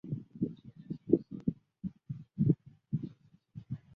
葱叶兰为兰科葱叶兰属下的一个种。